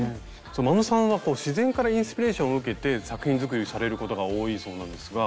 眞野さんは自然からインスピレーションを受けて作品作りされることが多いそうなんですが。